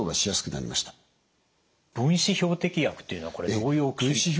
分子標的薬っていうのはこれどういうお薬なんですか？